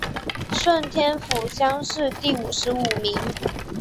顺天府乡试第五十五名。